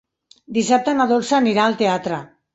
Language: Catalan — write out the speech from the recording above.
Dissabte na Dolça anirà al teatre.